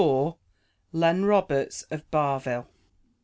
LEN ROBERTS OF BARVILLE.